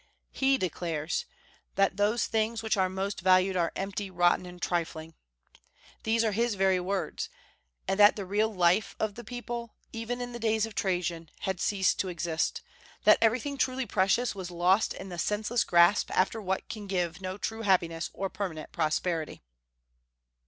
He declares that "those things which are most valued are empty, rotten, and trifling," these are his very words; and that the real life of the people, even in the days of Trajan, had ceased to exist, that everything truly precious was lost in the senseless grasp after what can give no true happiness or permanent prosperity.